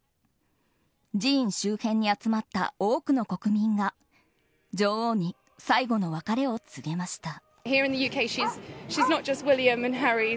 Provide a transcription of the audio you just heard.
寺院周辺に集まった多くの国民が女王に最後の別れを告げました。